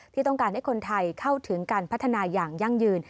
ที่ต้องการให้คนไทยเข้าถึงการพัฒนาอย่างยั่งยืน